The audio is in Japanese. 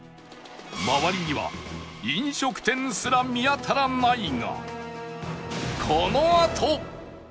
周りには飲食店すら見当たらないが